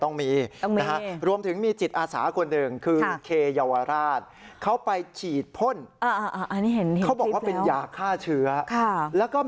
ต้องมีรวมถึงมีจิตอาสาควรหนึ่ง